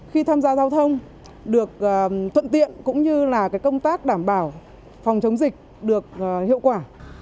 khi tham gia giao thông được thuận tiện cũng như là công tác đảm bảo phòng chống dịch được hiệu quả